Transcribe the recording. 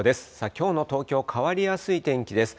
きょうの東京、変わりやすい天気です。